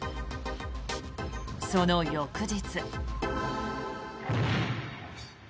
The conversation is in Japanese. その翌日。